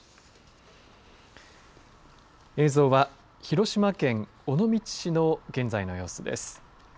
映像は、広島県尾道市の現在の様子です。